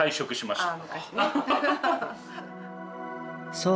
そう！